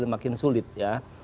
makin sulit ya